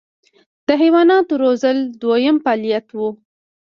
د حیواناتو روزل دویم فعالیت و.